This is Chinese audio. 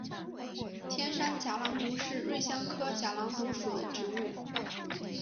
天山假狼毒是瑞香科假狼毒属的植物。